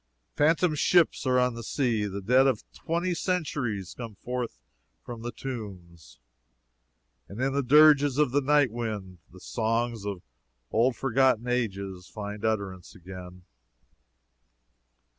Phantom ships are on the sea, the dead of twenty centuries come forth from the tombs, and in the dirges of the night wind the songs of old forgotten ages find utterance again.